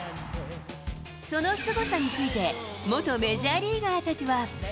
そのすごさについて、元メジャーリーガーたちは。